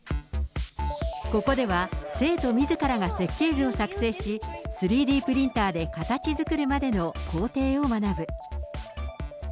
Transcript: ここでは、生徒みずからが設計図を作成し、３Ｄプリンターでかたちづくるまでの工程を学ぶ。